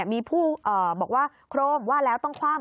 มีผู้บอกว่าโครมว่าแล้วต้องคว่ำ